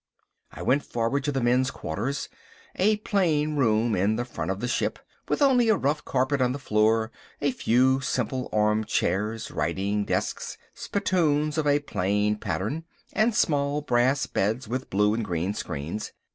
I went forward to the men's quarters—a plain room in the front of the ship, with only a rough carpet on the floor, a few simple arm chairs, writing desks, spittoons of a plain pattern, and small brass beds with blue and green screens.